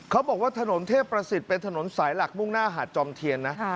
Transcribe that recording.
เขาบอกว่าถนนเทพประสิทธิ์เป็นถนนสายหลักมุ่งหน้าหาดจอมเทียนนะ